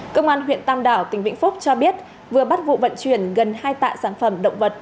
công an huyện tam đảo tỉnh vĩnh phúc cho biết vừa bắt vụ vận chuyển gần hai tạ sản phẩm động vật